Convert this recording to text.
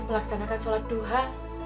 melaksanakan solat duha